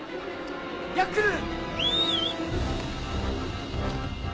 ヤックル！